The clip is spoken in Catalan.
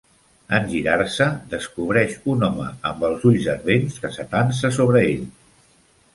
En girar-se, descobreix un home amb els ulls ardents que s'atansa sobre ell.